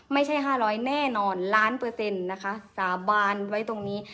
ไม่ใช่๕๐๐แน่นอนล้านเปอร์เซ็นต์นะคะสาบานไว้ตรงนี้